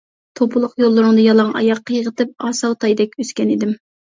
توپىلىق يوللىرىڭدا يالاڭ ئاياغ، قىيغىتىپ ئاساۋ تايدەك ئۆسكەن ئىدىم.